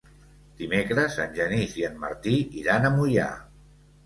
Dimecres en Genís i en Martí iran a Moià.